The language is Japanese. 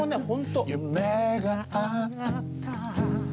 夢があった」